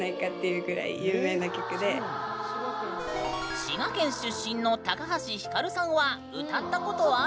滋賀県出身の高橋ひかるさんは歌ったことある？